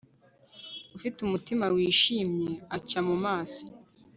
ufite umutima wishimye, acya mu maso